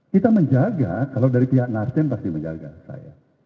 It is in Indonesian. kita menjaga kalau dari pihak nasdem pasti menjaga saya